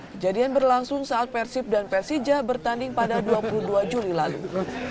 kejadian berlangsung saat persib dan persija bertanding pada dua puluh dua juli lalu